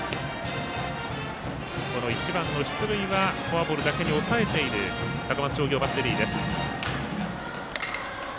１番はフォアボールだけに抑えている高松商業バッテリーです。